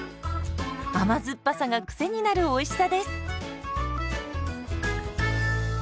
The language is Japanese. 甘酸っぱさがクセになるおいしさです。